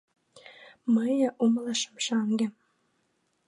Мые умылышым шаҥге.